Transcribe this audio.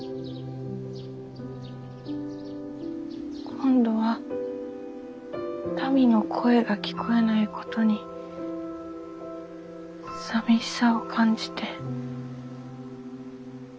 今度は民の声が聞こえないことに寂しさを感じて。